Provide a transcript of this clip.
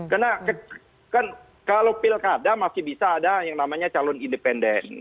karena kan kalau pilkada masih bisa ada yang namanya calon independen